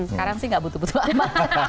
sekarang sih nggak butuh butuh apa apa